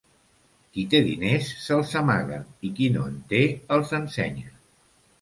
Qui té diners, se'ls amaga, i qui no en té, els ensenya.